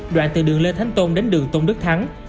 đoạn từ đường lê thánh tôn đến đường tôn đức thắng